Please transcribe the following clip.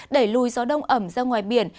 đẩy lùi gió đông ẩm ra ngoài biển